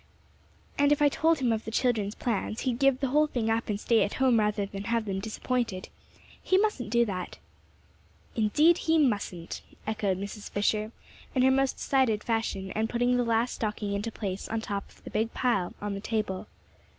And if I told him of the children's plans, he'd give the whole thing up and stay at home rather than have them disappointed. He mustn't do that." "Indeed he mustn't!" echoed Mrs. Fisher, in her most decided fashion, and putting the last stocking into place on top of the big pile on the table.